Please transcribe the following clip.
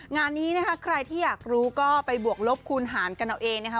งานนี้นะคะใครที่อยากรู้ก็ไปบวกลบคูณหารกันเอาเองนะคะ